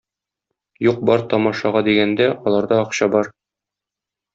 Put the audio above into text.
Юк-бар тамашага дигәндә, аларда акча бар!